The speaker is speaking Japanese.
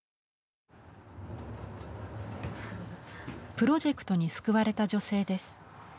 プロジェクトに救われた女性です。